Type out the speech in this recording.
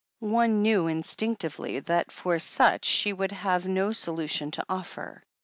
One knew instinctively that for such she would have no solution to offer.